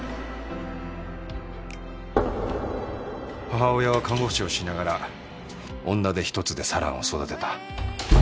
母親は看護師をしながら女手ひとつで四朗を育てた。